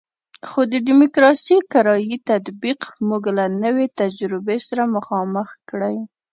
خو د ډیموکراسي کرایي تطبیق موږ له نوې تجربې سره مخامخ کړی.